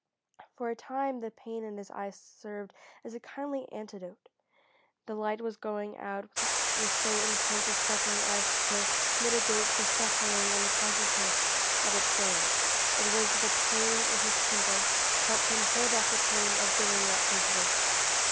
For a time the pain in his eyes served as a kindly antidote. The light was going out with so intense a suffering as to mitigate the suffering in the consciousness of its going. It was the pain in his temples helped him hold off the pain of giving up his work.